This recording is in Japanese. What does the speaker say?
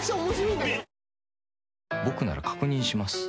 僕なら確認します。